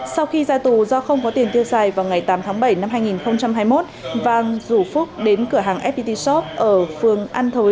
sau khi ra tù do không có tiền tiêu xài vào ngày tám tháng bảy năm hai nghìn hai mươi một vang rủ phúc đến cửa hàng fpt shop ở phường an thối